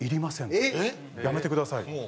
「やめてください。